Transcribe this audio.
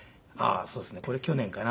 そうですね。これ去年かな。